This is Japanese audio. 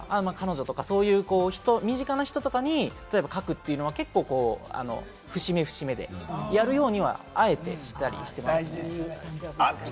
ですけど、友人とか彼女とか、そういう身近な人とかに、例えば書くというのは結構、節目節目でやるようにはあえてしたりしていますね。